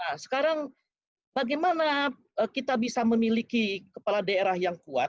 nah sekarang bagaimana kita bisa memiliki kepala daerah yang kuat